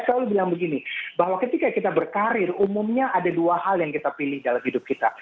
saya selalu bilang begini bahwa ketika kita berkarir umumnya ada dua hal yang kita pilih dalam hidup kita